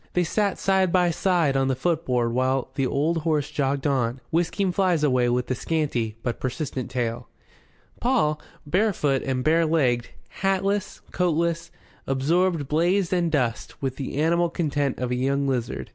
They sat side by side on the footboard while the old horse jogged on, whisking flies away with a scanty but persistent tail. Paul, barefoot and barelegged, hatless, coatless, absorbed blaze and dust with the animal content of a young lizard.